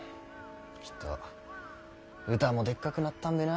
きっとうたもでっかくなったんべな。